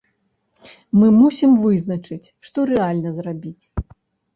Мы мусім вызначыць, што рэальна зрабіць.